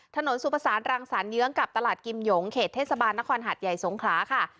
สุภาษารังสารเยื้องกับตลาดกิมหยงเขตเทศบาลนครหัดใหญ่สงขลาค่ะ